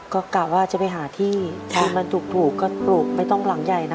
ก็กะว่าจะไปหาที่ถ้ามันถูกปลูกก็ปลูกไม่ต้องหลังใหญ่นะ